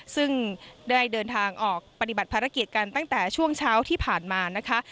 ซึ่งได้เดินทางออกปฏิบัติภารกิจกันตั้งแต่ช่วงเช้าที่ผ่านมานะคะ